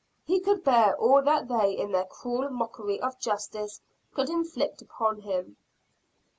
He could bear all that they in their cruel mockery of justice could inflict upon him.